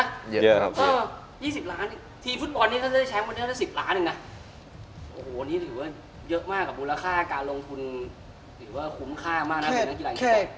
โอ้โหนี้ถือว่าเยอะมากกับบรูลค่าการลงทุนคือว่าคุ้มค่ากว่ามากแล้วครับ